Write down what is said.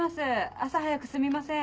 朝早くすみません。